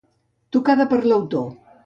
Tocada per l'autor: